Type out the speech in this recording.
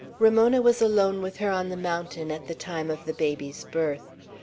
Ramona was alone with her on the mountain at the time of the baby's birth.